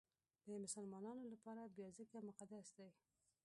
د مسلمانانو لپاره بیا ځکه مقدس دی.